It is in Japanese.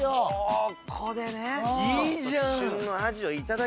ここでね。